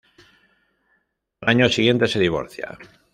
Al año siguiente se divorcia.